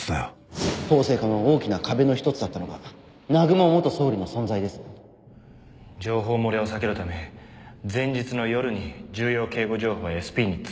法制化の大きな壁の一つだったのが南雲元総理の存在です情報漏れを避けるため前日の夜に重要警護情報は ＳＰ に通達される。